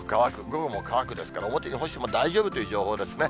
午後も乾くですから、表に干しても大丈夫という情報ですね。